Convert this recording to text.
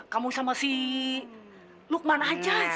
kamu sama si lukman aja